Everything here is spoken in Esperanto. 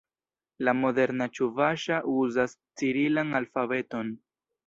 La moderna ĉuvaŝa uzas cirilan alfabeton.